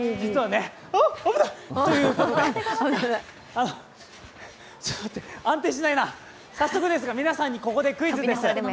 あっ、危ない！ということで、ちょっ、待って安定しないな早速ですが、皆さんにここでクイズです。